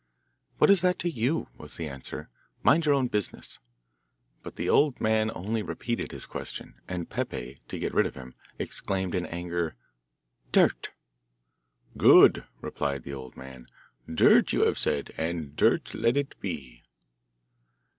'What is that to you?' was the answer; 'mind your own business.' But the old man only repeated his question, and Peppe, to get rid of him, exclaimed in anger, 'Dirt.' 'Good,' replied the old man; 'dirt you have said, and dirt let it be.